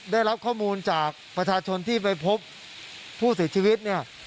ได้รับข้อมูลจากประชาชนที่ไปพบผู้เสียชีวิตเนี่ย